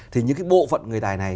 thì những bộ phận người tài này